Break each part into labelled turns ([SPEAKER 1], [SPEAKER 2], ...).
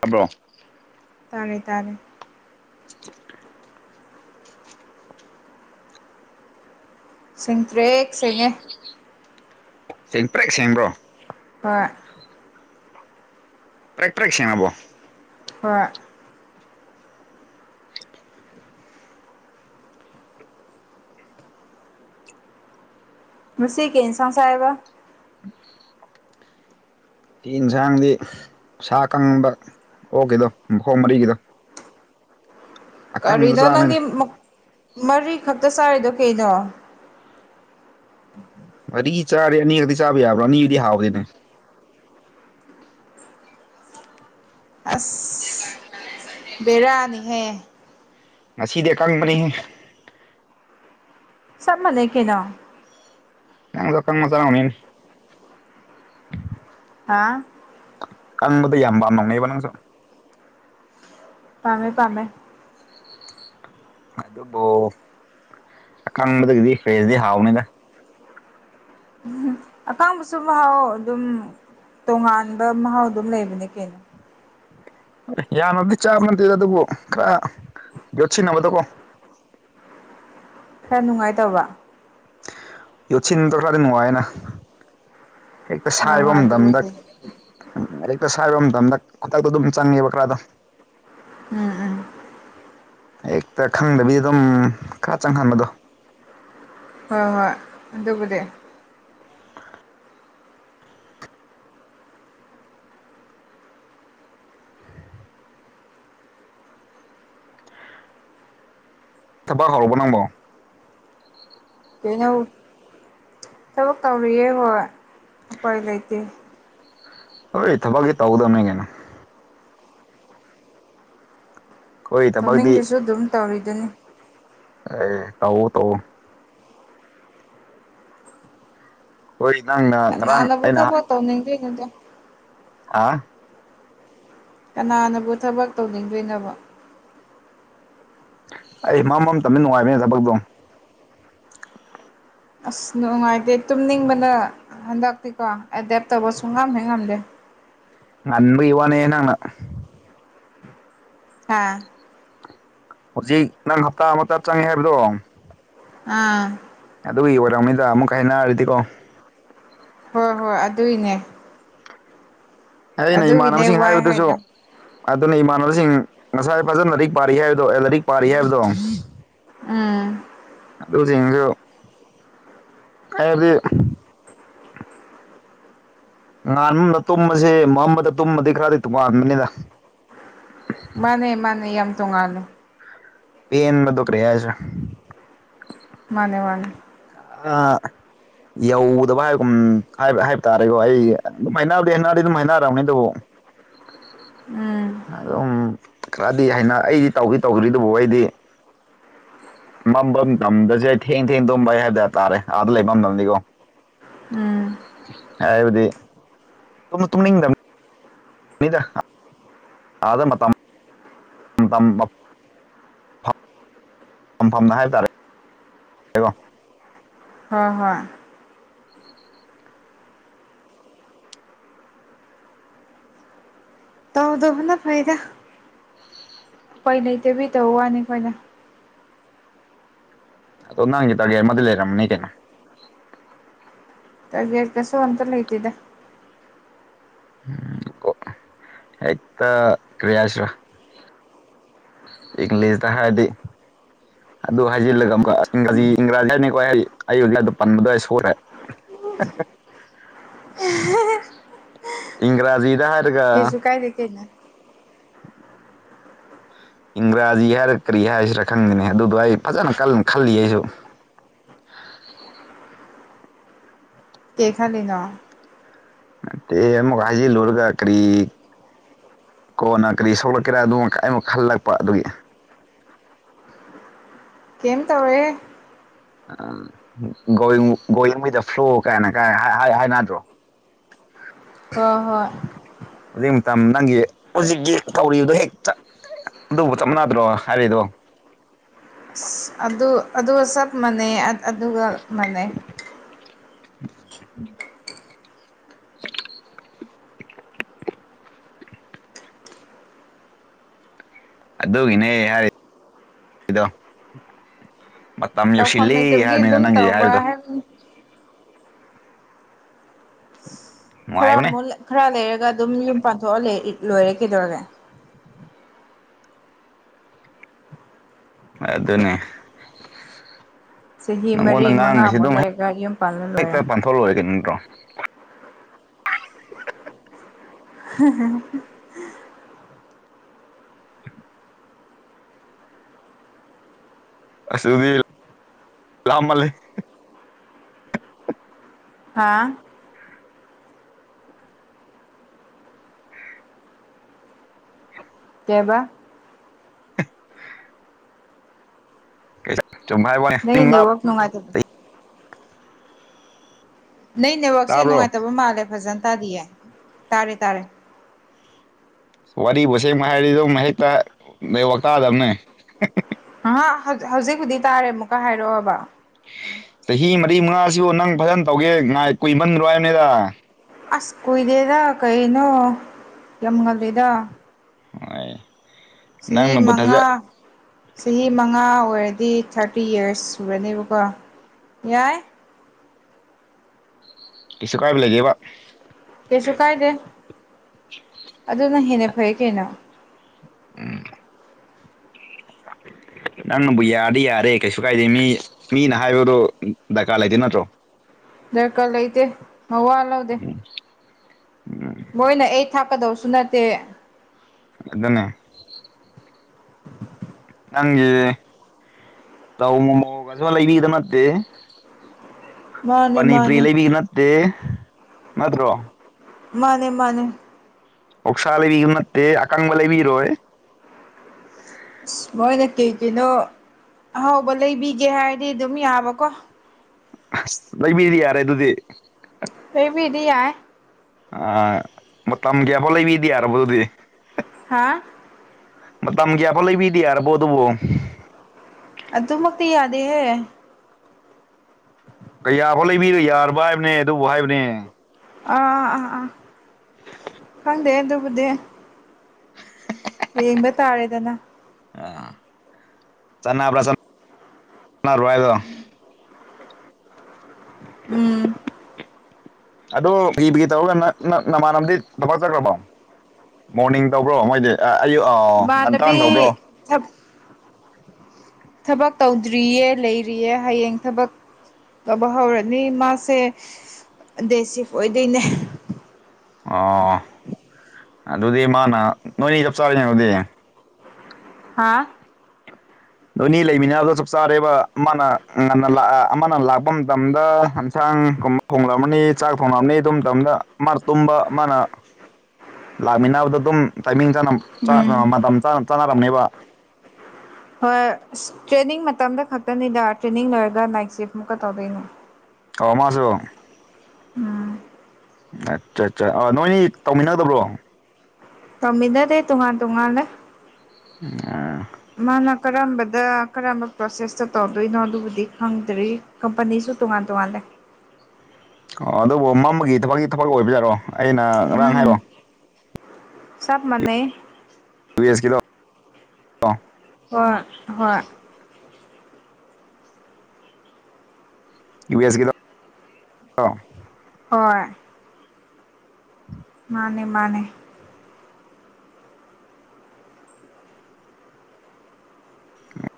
[SPEAKER 1] ꯇꯥꯕ꯭ꯔꯣ
[SPEAKER 2] ꯇꯥꯔꯦ ꯇꯥꯔꯦ
[SPEAKER 1] [inaudible]
[SPEAKER 2] ꯁꯦꯡꯇ꯭ꯔꯦꯛ ꯁꯦꯡꯉꯦ
[SPEAKER 1] ꯁꯦꯡ ꯇ꯭ꯔꯦꯛ ꯁꯦꯡꯕ꯭ꯔꯣ
[SPEAKER 2] ꯍꯣꯏ
[SPEAKER 1] ꯄꯦꯛ ꯄꯔꯦꯛ ꯁꯦꯡꯉꯕꯣ
[SPEAKER 2] ꯍꯣꯏ ꯉꯁꯤ ꯀꯩ ꯑꯦꯟꯁꯥꯡ ꯆꯥꯌꯦꯕ
[SPEAKER 1] ꯌꯦꯟꯖꯥꯡꯗꯤ ꯁꯥ ꯀꯪꯕ ꯑꯣꯛꯀꯤꯗꯣ ꯃꯈꯣꯡ ꯃꯔꯤꯒꯤꯗꯣ ꯑꯀꯪꯕꯗꯣ
[SPEAKER 2] ꯀꯔꯤꯅꯣ
[SPEAKER 1] ꯆꯥꯕꯅꯤꯅ
[SPEAKER 2] ꯅꯪꯗꯤ ꯃ ꯃꯔꯤ ꯈꯛꯇ ꯆꯥꯔꯤꯗꯣ ꯀꯩꯅꯣ [inaudible]
[SPEAKER 1] ꯃꯔꯤ ꯆꯥꯔꯦ ꯑꯅꯤꯈꯛꯇꯤ ꯆꯥꯕ ꯌꯥꯕ꯭ꯔꯥ ꯑꯅꯤꯗꯨꯗꯤ ꯍꯥꯎꯇꯦꯅꯦ
[SPEAKER 2] ꯑꯁ ꯕꯦꯔꯥꯅꯦꯍꯦ
[SPEAKER 1] ꯉꯁꯤꯗꯤ ꯑꯀꯪꯕꯅꯦꯍꯦ
[SPEAKER 2] ꯆꯞ ꯃꯥꯟꯅꯩ ꯀꯩꯅꯣ
[SPEAKER 1] ꯅꯪꯖꯨ ꯑꯀꯪꯕ ꯆꯥꯔꯝꯒꯅꯤꯅꯦ [inaudible]
[SPEAKER 2] ꯍꯥꯥ
[SPEAKER 1] ꯀꯪꯕꯗ ꯌꯥꯝ ꯄꯥꯝꯃꯝꯃꯦꯕ ꯅꯪꯁꯨ
[SPEAKER 2] ꯄꯥꯝꯃꯦ ꯄꯥꯝꯃꯦ
[SPEAKER 1] ꯑꯗꯨꯕꯨ ꯑꯀꯪꯕꯗꯒꯤꯗꯤ ꯐ꯭ꯔꯦꯁꯗꯤ ꯍꯥꯎꯕꯅꯤꯗ
[SPEAKER 2] ꯑꯀꯪꯕꯁꯨ ꯃꯍꯥꯎ ꯑꯗꯨꯝ ꯇꯣꯉꯥꯟꯕ ꯃꯍꯥꯎ ꯑꯗꯨꯝ ꯂꯩꯕꯅꯦ ꯀꯩꯅꯣ
[SPEAKER 1] ꯌꯥꯝꯅꯗꯤ ꯆꯥꯕ ꯅꯠꯇꯦꯗ ꯑꯗꯨꯕꯨ ꯈꯔ ꯌꯣꯠꯁꯤꯟꯅꯕꯗꯀꯣ
[SPEAKER 2] ꯈꯔ ꯅꯨꯡꯉꯥꯏꯇꯕ꯭ꯔ
[SPEAKER 1] ꯌꯣꯠꯁꯤꯟ ꯇꯧꯈ꯭ꯔꯗꯤ ꯅꯨꯡꯉꯥꯏꯅ ꯍꯦꯛꯇ
[SPEAKER 2] ꯍꯣꯏ
[SPEAKER 1] ꯁꯥꯏꯕ
[SPEAKER 2] ꯍꯣꯏ
[SPEAKER 1] ꯃꯇꯝꯗ
[SPEAKER 2] ꯑꯗꯨꯕꯨꯗꯤ
[SPEAKER 1] ꯎꯝ ꯍꯦꯛꯇ ꯁꯥꯏꯕ ꯃꯇꯝꯗ ꯈꯨꯗꯛꯇ ꯑꯗꯨꯝ ꯆꯪꯉꯦꯕ ꯈꯔꯗꯣ
[SPEAKER 2] ꯎꯝ ꯎꯝ
[SPEAKER 1] ꯍꯦꯛꯇ ꯈꯪꯗꯕꯤ ꯑꯗꯨꯝ ꯈꯔ ꯆꯪꯍꯟꯕꯗꯣ
[SPEAKER 2] ꯍꯣꯏ ꯍꯣꯏ ꯑꯗꯨꯕꯨꯗꯤ
[SPEAKER 1] ꯊꯕꯛ ꯍꯧꯔꯕꯣ ꯅꯪꯕꯣ
[SPEAKER 2] ꯀꯩꯅꯣ ꯊꯕꯛ ꯇꯧꯔꯤꯌꯦ ꯍꯣꯏ ꯎꯄꯥꯏ ꯂꯩꯇꯦ
[SPEAKER 1] ꯍꯣꯏ ꯊꯕꯛꯁꯤ ꯇꯧꯒꯗꯕꯅꯤ ꯀꯩꯅꯣ ꯑꯩꯈꯣꯏ ꯊꯕꯛꯇꯤ
[SPEAKER 2] ꯊꯧꯅꯤꯡꯗꯁꯨ ꯑꯗꯨꯝ ꯇꯧꯔꯤꯗꯨꯅꯤ
[SPEAKER 1] ꯑꯦ ꯇꯧꯑꯣ ꯇꯧꯑꯣ ꯍꯣꯏ ꯅꯪꯅ ꯉꯔꯥꯡ
[SPEAKER 2] ꯀꯅꯥꯅꯕꯨ
[SPEAKER 1] ꯑꯩꯅ
[SPEAKER 2] ꯊꯕꯛ ꯇꯧꯅꯤꯡꯗꯣꯏꯅꯣꯗ
[SPEAKER 1] ꯍꯥ
[SPEAKER 2] ꯀꯅꯥꯅꯕꯨ ꯊꯕꯛ ꯇꯧꯅꯤꯡꯗꯣꯏꯅꯣꯕ
[SPEAKER 1] [unintelligible]
[SPEAKER 2] ꯑꯁ ꯅꯨꯡꯉꯥꯏꯇꯦ ꯇꯨꯝꯅꯤꯡꯕꯅ ꯍꯟꯗꯛꯇꯤꯀꯣ ꯑꯦꯗꯦꯞ ꯇꯧꯕ ꯁꯨꯉꯝ ꯍꯦꯛ ꯉꯝꯗꯦ
[SPEAKER 1] ꯉꯝꯕꯒꯤ ꯋꯥꯅꯦ ꯅꯪꯅ
[SPEAKER 2] ꯑꯥ
[SPEAKER 1] ꯍꯧꯖꯤꯛ ꯅꯪ ꯍꯞꯇꯥ ꯑꯃꯇ ꯆꯪꯉꯦ ꯍꯥꯏꯕꯗꯣ
[SPEAKER 2] ꯑꯥ
[SPEAKER 1] ꯑꯗꯨꯒꯤ ꯑꯣꯏꯔꯝꯒꯅꯤꯗ ꯑꯃꯨꯛ ꯀꯥꯏꯅꯔꯗꯤꯀꯣ
[SPEAKER 2] ꯍꯣꯏ ꯍꯣꯏ ꯑꯗꯨꯏꯅꯦ
[SPEAKER 1] ꯑꯩꯅ
[SPEAKER 2] ꯑꯗꯨꯒꯤꯅꯦ
[SPEAKER 1] ꯏꯃꯥꯟꯅꯕꯁꯤꯡ
[SPEAKER 2] ꯋꯥꯏ
[SPEAKER 1] ꯍꯥꯏꯕꯗꯨꯁꯨ
[SPEAKER 2] ꯍꯥꯏꯗꯣ
[SPEAKER 1] ꯑꯗꯨꯅ ꯏꯃꯥꯟꯅꯕꯁꯤꯡ ꯉꯁꯥꯏ ꯐꯖꯅ ꯂꯥꯏꯔꯤꯛ ꯄꯥꯔꯤ ꯍꯥꯏꯕꯗꯣ ꯑꯦ ꯂꯥꯏꯔꯤꯛ ꯄꯥꯔꯤ ꯍꯥꯏꯕꯗꯣ
[SPEAKER 2] ꯎꯝ
[SPEAKER 1] ꯑꯗꯨꯁꯤꯡꯗꯨ ꯑꯩꯍꯥꯢꯕꯗꯤ [unintelligible]
[SPEAKER 2] ꯃꯥꯅꯦ ꯃꯥꯅꯦ ꯌꯥꯝ ꯇꯣꯡꯉꯥꯜꯂꯦ
[SPEAKER 1] ꯄꯦꯟꯕꯗꯣ ꯀꯔꯤ ꯍꯤꯢꯁꯤꯔꯥ
[SPEAKER 2] ꯃꯥꯅꯦ ꯃꯥꯅꯦ
[SPEAKER 1] [unintelligible] ꯌꯧꯗꯕ ꯍꯥꯏꯕꯒꯨꯝ ꯍꯥꯏꯕ ꯍꯥꯏꯕ ꯇꯥꯔꯦꯀꯣ ꯑꯩ ꯑꯗꯨꯝ ꯍꯩꯅꯔꯕꯗꯤ ꯍꯩꯗꯤ ꯑꯗꯨꯝ ꯍꯥꯏꯅꯔꯝꯅꯤ ꯑꯗꯨꯕꯨ
[SPEAKER 2] ꯎꯝ
[SPEAKER 1] ꯑꯗꯨꯝ ꯈꯔꯗꯤ ꯍꯥꯏꯅ ꯑꯩꯗꯤ ꯇꯧꯗꯤ ꯇꯧꯗ꯭ꯔꯤ ꯑꯗꯨꯕꯨ ꯑꯩꯗꯤ ꯃꯝꯕ ꯃꯇꯝꯗꯁꯦ ꯊꯦꯡ ꯊꯦꯡꯅ ꯇꯨꯝꯕ ꯍꯥꯏꯕ ꯇꯥꯔꯦ ꯑꯥꯗ ꯂꯩꯕ ꯝꯗꯗꯤꯀꯣ
[SPEAKER 2] ꯎꯝ
[SPEAKER 1] ꯍꯥꯏꯕꯗꯤ ꯇꯨꯝꯁꯨ ꯇꯨꯝꯅꯤꯡꯗꯝ [unintelligible] ꯑꯥꯗ ꯃꯇꯝ [unintelligible] ꯐꯝꯐꯝꯅ ꯍꯥꯏꯕꯇꯥꯔꯦ
[SPEAKER 2] ꯍꯣꯏ ꯍꯣꯏ ꯇꯧꯗꯕꯅ ꯐꯩꯗ ꯎꯄꯥꯢ ꯂꯩꯇꯕꯩ ꯇꯩꯋꯥꯅꯤ ꯑꯩꯈꯣꯏꯅ
[SPEAKER 1] ꯑꯗꯣ ꯅꯪꯒꯤ ꯇꯥꯔꯒꯦꯠ ꯑꯃꯗꯤ ꯂꯩꯔꯝꯅꯤ ꯀꯩꯅꯣ
[SPEAKER 2] ꯇ꯭ꯔꯒꯠꯀꯁꯨ ꯑꯝꯇ ꯂꯩꯇꯦꯗ
[SPEAKER 1] ꯑꯝ ꯑꯣ ꯍꯦꯛꯇ ꯀ꯭ꯔꯤ ꯍꯥꯢꯁꯤꯔꯥ ꯏꯪꯂꯤꯁꯗ ꯍꯥꯏꯔꯗꯤ ꯑꯗꯨ ꯍꯥꯏꯖꯤꯜꯂꯒ ꯑꯃꯨꯛꯀ ꯏꯪꯒ꯭ꯔꯥꯖꯤ [unintelligible] ꯄꯟꯕꯗ ꯑꯩ ꯁꯣꯢꯈ꯭ꯔꯦ ꯍꯥꯍꯥ ꯏꯪꯒ꯭ꯔꯥꯖꯤꯗ ꯍꯥꯢ
[SPEAKER 2] ꯀꯪꯁꯨ ꯀꯥꯏꯗꯦ ꯀꯩꯅꯣ
[SPEAKER 1] ꯏꯪ꯭ꯔꯥꯖꯤ ꯍꯥꯏꯔ ꯀꯔꯤ ꯍꯥꯏꯁꯤꯔ ꯈꯪꯗꯦꯅꯦ ꯑꯗꯨꯗꯣ ꯑꯩ ꯐꯖꯅ ꯀꯟ ꯈꯜꯂꯤꯌꯦ ꯑꯩꯁꯨ
[SPEAKER 2] ꯀꯩ ꯈꯜꯂꯤꯅꯣ
[SPEAKER 1] ꯅꯠꯇꯦ ꯑꯃꯨꯛꯀ ꯍꯥꯏꯖꯤꯜꯂꯨꯔꯒ ꯀꯔꯤ ꯀꯣꯟꯅ ꯀꯔꯤ ꯁꯧꯂꯛꯀꯦꯔꯥ [unintelligible] ꯈꯜꯂꯛꯄ ꯑꯗꯨꯒꯤ
[SPEAKER 2] ꯀꯦꯝ ꯇꯧꯔꯣꯢꯍꯦ
[SPEAKER 1] ꯎ ꯒꯣꯋꯨ ꯒꯣꯋꯤꯡ ꯋꯤꯠ ꯗ ꯐ꯭ꯂꯣ ꯀꯥꯏꯅ ꯀ ꯍꯥꯢ ꯍꯥꯢ ꯍꯥꯏꯅꯗ꯭ꯔꯣ [inaudible]
[SPEAKER 2] ꯍꯣꯏ ꯍꯣꯏ
[SPEAKER 1] ꯍꯧꯖꯤꯛ ꯃꯇꯝ ꯅꯪꯒꯤ ꯍꯧꯖꯤꯛꯀꯤ ꯇꯧꯔꯤꯕꯗꯣ ꯍꯦꯛ ꯆꯠ ꯑꯗꯨꯕꯨ ꯆꯞꯅꯥꯗ꯭ꯔꯣ ꯍꯥꯏꯔꯤꯗꯣ
[SPEAKER 2] ꯑꯗꯨ ꯑꯗꯨꯒ ꯆꯞ ꯃꯥꯟꯅꯩ ꯑ ꯑꯗꯨꯒ ꯃꯥꯟꯅꯩ
[SPEAKER 1] [inaudible] [inaudible] ꯑꯗꯨꯒꯤꯅꯦ ꯍꯥꯏꯔꯤ ꯗꯣ ꯃꯇꯝ
[SPEAKER 2] ꯇꯧꯐꯝ
[SPEAKER 1] ꯌꯧꯁꯤꯜꯂꯤ
[SPEAKER 2] ꯂꯩꯇꯕꯒꯤ ꯑꯗꯨꯝ
[SPEAKER 1] ꯍꯥꯏꯕꯅꯤꯅ ꯅꯪꯒꯤ ꯍꯥꯏꯕꯗꯣ
[SPEAKER 2] [unintelligible] ꯈꯔ
[SPEAKER 1] ꯅꯨꯡꯉꯥꯏꯕꯅꯦ
[SPEAKER 2] ꯑꯃꯨꯛ ꯈꯔ ꯂꯩꯔꯒ ꯑꯗꯨꯝ ꯌꯨꯝ ꯄꯥꯟꯊꯣꯛꯑ ꯂꯣꯏꯔꯦ ꯀꯩꯗꯧꯔꯒꯦ
[SPEAKER 1] ꯍꯣꯏ ꯑꯗꯨꯅꯦ
[SPEAKER 2] ꯆꯍꯤ ꯃꯔꯤ
[SPEAKER 1] ꯅꯪꯉꯣꯟꯗ
[SPEAKER 2] ꯃꯉꯥꯃꯨꯛ ꯂꯩꯔꯒ ꯌꯨꯝ ꯄꯥꯟꯂ ꯂꯣꯏꯔꯦ
[SPEAKER 1] ꯊꯣꯛꯑꯣ ꯂꯣꯏꯔꯦ ꯀꯩꯅꯣ ꯅꯠꯇ꯭ꯔꯣ
[SPEAKER 2] ꯍꯥ ꯍꯥ ꯍꯥ
[SPEAKER 1] ꯑꯁ ꯑꯗꯨꯗꯤ ꯂꯥꯞꯃꯜꯂꯤ [inaudible]
[SPEAKER 2] ꯍꯥꯥ ꯀꯩꯕ
[SPEAKER 1] [unintelligible] ꯀꯩ [unintelligible]
[SPEAKER 2] ꯅꯪꯒꯤ ꯅꯦꯠꯋꯛ ꯅꯨꯡꯉꯥꯏꯇ ꯅꯣꯏ ꯅꯦꯠꯋꯥꯛꯁꯦ
[SPEAKER 1] ꯇꯥꯕ꯭ꯔꯣ
[SPEAKER 2] ꯅꯨꯡꯉꯥꯏꯇꯕ ꯃꯥꯜꯂꯦ ꯐꯖꯅ ꯇꯥꯗꯤꯌꯦ ꯇꯥꯔꯦ ꯇꯥꯔꯦ
[SPEAKER 1] ꯋꯥꯔꯤꯕꯨ ꯁꯦꯡꯕ ꯍꯥꯏꯔꯗꯤ ꯑꯗꯨꯝ ꯍꯦꯛꯇ ꯅꯦꯠꯋꯥꯛ ꯇꯥꯗꯕꯅꯦ
[SPEAKER 2] ꯑꯍꯥ ꯍꯧꯖꯤꯛ ꯍꯧꯖꯤꯛꯄꯨꯗꯤ ꯇꯥꯔꯦ ꯑꯃꯨꯛꯀ ꯍꯥꯏꯔꯛꯑꯣꯕ
[SPEAKER 1] ꯆꯍꯤ ꯃꯔꯤ ꯃꯉꯥꯁꯤꯕꯨ ꯅꯪ ꯐꯖꯅ ꯇꯧꯒꯦ ꯉꯥꯏ ꯀꯨꯏꯃꯟꯗ꯭ꯔꯣ ꯍꯥꯏꯕꯅꯦꯗ
[SPEAKER 2] ꯑꯁ ꯀꯨꯏꯗꯦꯗ ꯀꯩꯅꯣ ꯌꯥꯝꯉꯂꯤꯗꯥ
[SPEAKER 1] [unintelligible]
[SPEAKER 2] ꯆꯍꯤ ꯃꯉꯥ꯫
[SPEAKER 1] ꯊꯥꯖ
[SPEAKER 2] ꯆꯍꯤ ꯃꯉꯥ ꯑꯣꯏꯔꯗꯤ ꯊꯥꯔꯇꯤ ꯌꯔꯁ ꯁꯨꯔꯅꯦꯕꯀꯣ ꯌꯥꯏ꯫
[SPEAKER 1] ꯀꯩꯁꯨ ꯀꯥꯏꯕ ꯂꯩꯇꯦꯕ꯫
[SPEAKER 2] ꯀꯩꯁꯨ ꯀꯥꯏꯗꯦ ꯑꯗꯨꯅ ꯍꯦꯟꯅ ꯐꯩꯌꯦ ꯀꯩꯅꯣ꯫
[SPEAKER 1] ꯅꯪꯅꯕꯨ ꯌꯥꯔꯗꯤ ꯌꯥꯔꯦ ꯀꯩꯁꯨ ꯀꯥꯏꯗꯦ ꯃꯤ ꯃꯤꯅ ꯍꯥꯏꯕꯗꯣ ꯗꯔꯀꯥꯔ ꯂꯩꯇꯦ ꯅꯠꯇ꯭ꯔꯣ?
[SPEAKER 2] ꯗꯔꯀꯥ ꯂꯩꯇꯦ ꯃꯋꯥ ꯂꯧꯗꯦ꯫
[SPEAKER 1] ꯎꯝ ꯎꯝ
[SPEAKER 2] ꯃꯣꯏꯅ ꯑꯩ ꯊꯥꯛꯀꯗꯧꯁꯨ ꯅꯠꯇꯦ꯫
[SPEAKER 1] ꯑꯗꯨꯅꯦ꯫ ꯅꯪꯒꯤꯁꯤꯗꯤ ꯆꯧ ꯃꯣꯃꯣꯒꯁꯨ ꯂꯩꯕꯤꯕ ꯅꯠꯇꯦ꯫
[SPEAKER 2] ꯃꯥꯅꯦ
[SPEAKER 1] ꯄꯅꯤꯄꯨꯔꯤ
[SPEAKER 2] ꯃꯥꯅꯦ
[SPEAKER 1] ꯂꯩꯕꯤꯕ ꯅꯠꯇꯦ, ꯅꯠꯇ꯭ꯔꯣ?
[SPEAKER 2] ꯃꯥꯅꯦ ꯃꯥꯅꯦ꯫
[SPEAKER 1] ꯑꯣꯛꯁꯥ ꯂꯩꯕꯤꯕ ꯅꯠꯇꯦ, ꯑꯀꯪꯕ ꯂꯩꯕꯤꯔꯣꯏ꯫
[SPEAKER 2] ꯑꯁ ꯃꯣꯏꯅ ꯀꯩ ꯀꯩꯅꯣ ꯑꯍꯥꯎꯕ ꯂꯩꯕꯤꯒꯦ ꯍꯥꯏꯔꯗꯤ ꯑꯗꯨꯝ ꯌꯥꯕꯀꯣ꯫
[SPEAKER 1] ꯑꯁ ꯂꯩꯕꯤꯔꯗꯤ ꯌꯥꯔꯦ ꯑꯗꯨꯗꯤ꯫
[SPEAKER 2] ꯂꯩꯕꯤꯗꯤ ꯌꯥꯏ꯫
[SPEAKER 1] ꯑꯥ ꯃꯇꯝ ꯀꯌꯥꯐꯥꯎ ꯂꯩꯕꯤꯗꯤ ꯌꯥꯔꯕꯣꯗꯨꯗꯤ?
[SPEAKER 2] ꯍꯥꯥ
[SPEAKER 1] ꯃꯇꯝ ꯀꯌꯥꯐꯥꯎ ꯂꯩꯕꯤꯗꯤ ꯌꯥꯔꯕꯣ ꯑꯗꯨꯕꯨ?
[SPEAKER 2] ꯑꯗꯨꯃꯛꯇꯤ ꯌꯥꯗꯦꯍꯦ꯫
[SPEAKER 1] ꯀꯌꯥꯐꯥꯎ ꯂꯩꯕꯤꯔ ꯌꯥꯔꯕꯣ ꯍꯥꯏꯕꯅꯦ ꯑꯗꯨꯕꯨ ꯍꯥꯏꯕꯅꯦ?
[SPEAKER 2] ꯑꯥꯥ ꯑꯥ ꯑꯥ ꯈꯪꯗꯦ ꯑꯗꯨꯕꯨꯗꯤ꯫ ꯌꯦꯡꯕ ꯇꯥꯔꯦꯗꯅ꯫
[SPEAKER 1] ꯑ ꯆꯅꯕ꯭ꯔꯥ [unintelligible] ꯍꯥꯏꯗꯣ꯫
[SPEAKER 2] ꯎꯝ
[SPEAKER 1] ꯑꯗꯣ ꯄꯦꯔꯤ ꯄꯦꯔꯤ ꯇꯧꯔꯤꯒ ꯇꯧꯔꯒ ꯅꯥ ꯅꯥ ꯅꯃꯥꯟꯅꯝꯗꯤ ꯊꯕꯛ ꯆꯠꯈ꯭ꯔꯕꯣ? ꯃꯣꯔꯅꯤꯡ ꯇꯧꯕ꯭ꯔꯣ ꯃꯣꯏꯗꯤ? ꯑꯥ ꯑꯌꯨ ꯑꯥ꯫
[SPEAKER 2] ꯃꯥꯟꯅꯕꯤ ꯊꯕ ꯊꯕꯛ ꯇꯧꯗ꯭ꯔꯤꯌꯦ ꯂꯩꯔꯤꯌꯦ ꯍꯌꯦꯡ ꯊꯕꯛ ꯊꯕꯛ ꯍꯧꯔꯅꯤ ꯃꯥꯁꯦ ꯗꯦ ꯁꯤꯐ ꯑꯣꯏꯗꯣꯏꯅꯦ꯫
[SPEAKER 1] ꯑꯣ ꯑꯗꯨꯗꯤ ꯃꯥꯅ ꯅꯣꯏꯅꯤ ꯆꯞ ꯆꯥꯔꯦꯅꯦ ꯑꯗꯨꯗꯤ꯫
[SPEAKER 2] ꯍꯥꯥ
[SPEAKER 1] ꯑꯣꯏꯅꯤ ꯂꯩꯃꯤꯟꯅꯕꯗꯣ ꯆꯞ ꯆꯥꯔꯦꯕ ꯑꯃꯥꯅ ꯉꯟꯅ ꯂꯥꯛ ꯑꯥ ꯑꯃꯥꯅ ꯂꯥꯛꯄ ꯃꯇꯝꯗ ꯍꯟꯁꯥꯡꯒꯨꯝꯕ, ꯊꯣꯡꯂꯝꯃꯅꯤ ꯆꯥꯛ ꯊꯣꯡꯂꯝꯅꯤ ꯑꯗꯨ ꯃꯇꯝꯗ ꯑꯃꯥꯅ ꯇꯨꯝꯕ ꯑꯃꯥꯅ, ꯂꯥꯛꯃꯤꯟꯅꯕꯗꯣ ꯑꯗꯨꯝ ꯇꯥꯏꯃꯤꯡ ꯆꯥꯅ ꯆꯥ
[SPEAKER 2] ꯎꯝ
[SPEAKER 1] ꯑꯥ ꯃꯇꯝ ꯆꯥꯅ ꯆꯥꯅꯔꯝꯅꯦꯕ꯫
[SPEAKER 2] ꯍꯣꯏ ꯑꯁ ꯇ꯭ꯔꯦꯅꯤꯡ ꯃꯇꯝꯗ ꯈꯛꯇꯅꯦꯗ ꯇ꯭ꯔꯦꯅꯤꯡ ꯂꯣꯏꯔꯒ ꯅꯥꯏꯠ ꯁꯤꯐ ꯃꯨꯛꯀ ꯇꯧꯗꯣꯏꯅꯦ꯫
[SPEAKER 1] ꯑꯣ ꯃꯥꯖꯨ?
[SPEAKER 2] ꯎꯝ
[SPEAKER 1] ꯑꯆꯠꯆꯥ ꯑꯣ ꯅꯣꯏꯅꯤ ꯇꯧꯃꯤꯟꯅꯗꯕ꯭ꯔꯣ?
[SPEAKER 2] ꯇꯝꯃꯤꯟꯅꯗꯦ ꯇꯣꯉꯥꯟ ꯇꯣꯉꯥꯟꯂꯦ꯫
[SPEAKER 1] [unintelligible]
[SPEAKER 2] ꯃꯥꯅ ꯀꯔꯝꯕꯗ ꯀꯔꯝꯕ ꯄ꯭ꯔꯣꯁꯦꯁꯇ ꯇꯧꯗꯣꯏꯅꯣ ꯑꯗꯨꯕꯨꯗꯤ ꯈꯪꯗ꯭ꯔꯤ꯫ ꯀꯝꯄꯅꯤꯁꯨ ꯇꯣꯉꯥꯟ ꯇꯣꯉꯥꯟꯂꯦ꯫
[SPEAKER 1] ꯑꯣ ꯑꯗꯨꯕꯨ ꯃꯝꯕꯒꯤ ꯊꯕꯛꯇꯤ ꯊꯕꯛ ꯑꯣꯏꯕ ꯌꯥꯔꯣ ꯑꯩꯅ ꯉꯔꯥꯡ
[SPEAKER 2] ꯎꯝ
[SPEAKER 1] ꯍꯥꯏꯔꯣ,
[SPEAKER 2] ꯆꯞ ꯃꯥꯟꯅꯩ꯫
[SPEAKER 1] [unintelligible] ꯀꯤꯔꯣ
[SPEAKER 2] ꯍꯣꯏ ꯍꯣꯏ
[SPEAKER 1] ꯌꯨ ꯑꯦꯁꯒꯤꯔꯣ ꯑ
[SPEAKER 2] ꯍꯣꯏ ꯃꯥꯅꯦ ꯃꯥꯅꯦ
[SPEAKER 1] [inaudible]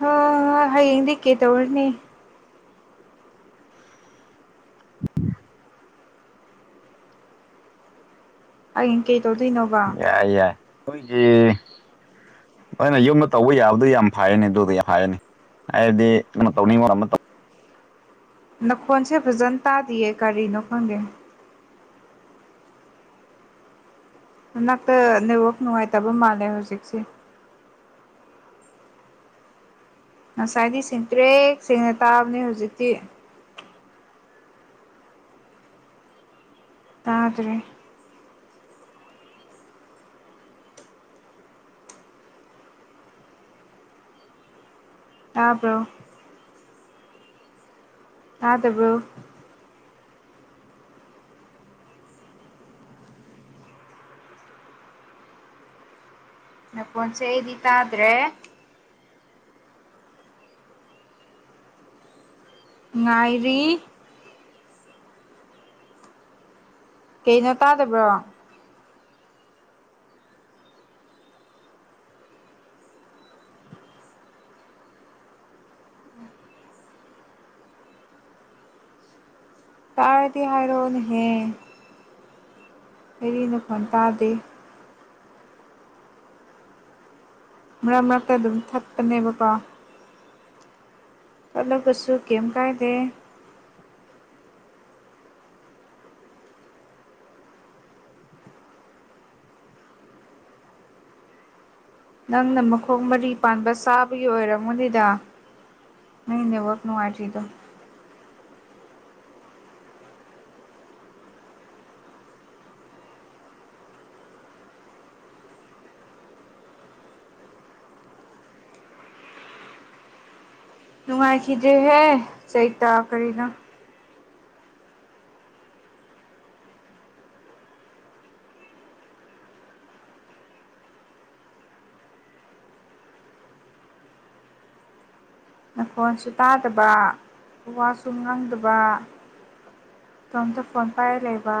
[SPEAKER 2] ꯍꯣ ꯍꯣ ꯍꯌꯦꯡꯗꯤ ꯀꯩ ꯇꯧꯔꯨꯅꯤ ꯍꯌꯦꯡ ꯀꯩ ꯇꯧꯗꯣꯏꯅꯣꯕ
[SPEAKER 1] ꯌꯥꯏ ꯌꯥꯏ ꯂꯣꯏꯖꯤꯡ ꯅꯣꯏꯅ ꯌꯨꯝꯗ ꯇꯧꯕ ꯌꯥꯕꯗꯨ ꯌꯥꯝ ꯐꯥꯏꯌꯦꯅꯦ ꯗꯨꯗꯤ ꯐꯥꯏꯑꯦꯅꯦ ꯑꯩꯗꯤ ꯅꯪꯅ ꯇꯧꯅꯤꯡꯕ ꯑꯃ ꯇꯧ
[SPEAKER 2] ꯅꯈꯣꯟꯁꯦ ꯐꯖꯟ ꯇꯥꯗꯤꯌꯦ ꯀꯔꯤꯅꯣ ꯈꯪꯗꯦ ꯅꯅꯥꯛꯇ ꯅꯦꯠꯋꯥꯔꯛ ꯅꯨꯡꯉꯥꯏꯇꯕ ꯃꯥꯜꯂꯦ ꯍꯧꯖꯤꯛꯁꯦ ꯉꯁꯥꯏꯗꯤ ꯁꯦꯡꯇ꯭ꯔꯦꯛ ꯁꯦꯡꯅ ꯇꯥꯕꯅꯦ ꯍꯧꯖꯤꯛꯇꯤ ꯇꯥꯗ꯭ꯔꯦ ꯇꯥꯕ꯭ꯔꯣ ꯇꯥꯗꯕ꯭ꯔꯣ ꯅꯈꯣꯟꯁꯦ ꯑꯩꯗꯤ ꯇꯥꯗ꯭ꯔꯦ ꯉꯥꯏꯔꯤ ꯀꯩꯅꯣ ꯇꯥꯗꯕ꯭ꯔꯣ ꯇꯥꯔꯗꯤ ꯍꯥꯏꯔꯣ ꯅꯦꯍꯦ ꯑꯩꯗꯤ ꯅꯈꯣꯟ ꯇꯥꯗꯦ ꯃꯔꯛ ꯃꯔꯛꯇ ꯑꯗꯨꯝ ꯊꯠꯄꯅꯦꯕꯀꯣ ꯀꯠꯂꯒꯁꯨ ꯀꯦꯝ ꯀꯥꯏꯗꯦ ꯅꯪꯅ ꯃꯈꯣꯡ ꯃꯔꯤ ꯄꯥꯟꯕ ꯆꯥꯕꯒꯤ ꯑꯣꯏꯔꯝꯃꯅꯤꯗ ꯅꯪꯒꯤ ꯅꯦꯠꯋꯥꯔꯛ ꯅꯨꯡꯉꯥꯏꯇ꯭ꯔꯤꯗꯣ ꯅꯨꯡꯉꯥꯏꯈꯤꯗ꯭ꯔꯦꯍꯦ ꯆꯩꯇꯥ ꯀꯔꯤꯅꯣ ꯅꯈꯣꯟꯁꯨ ꯇꯥꯗꯕ ꯋꯥꯁꯨ ꯉꯥꯡꯗꯕ ꯏꯇꯣꯝꯇ ꯐꯣꯟ ꯄꯥꯏꯔ ꯂꯩꯕ